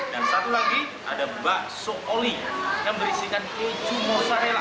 dan satu lagi ada bakso oli yang berisikan keju mozzarella